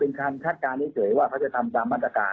คันคาดการณ์เฉยว่าเขาจะทำตามมาตรการ